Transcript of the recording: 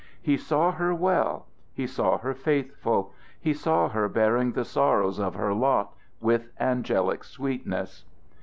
He saw her well; he saw her faithful; he saw her bearing the sorrows of her lot with angelic sweetness.